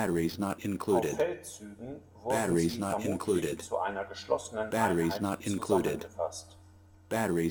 Auf Feldzügen wurden sie vermutlich zu einer geschlossenen Einheit zusammengefasst.